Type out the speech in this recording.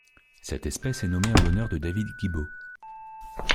Cette espèce est nommée en l'honneur de David Gibo.